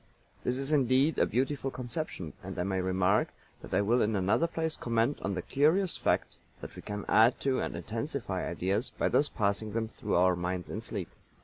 This is, indeed, a beautiful conception, and I may remark that I will in another place comment on the curious fact that we can add to and intensify ideas by thus passing them through our minds in sleep.